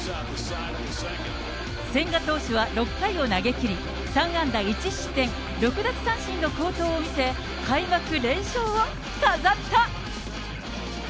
千賀投手は６回を投げきり、３安打１失点６奪三振の好投を見せ、開幕連勝を飾った。